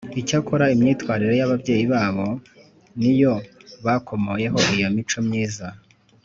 Icyakora imyitwarire y’ababyeyi babo ni yo bakomoyeho iyo mico myiza.